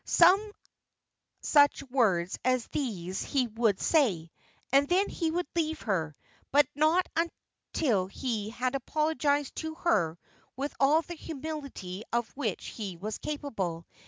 Some such words as these he would say, and then he would leave her, but not until he had apologized to her with all the humility of which he was capable.